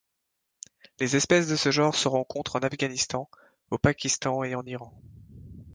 Les espèces de ce genre se rencontrent en Afghanistan, au Pakistan et en Iran.